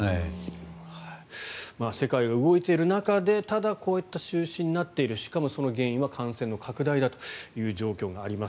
世界が動いている中でただ、こういった中止になっているしかも、その原因は感染の拡大だというところがあります。